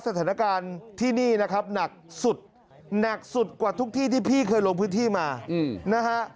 สถานการณ์ที่นี่นะครับหนักสุดหนักสุดกว่าทุกที่ที่พี่เคยลงพื้นที่มานะฮะ